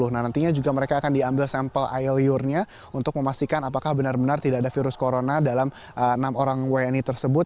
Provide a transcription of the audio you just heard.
nah nantinya juga mereka akan diambil sampel ilure nya untuk memastikan apakah benar benar tidak ada virus corona dalam enam orang wni tersebut